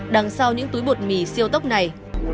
đằng sau những túi bột mì siêu tốc này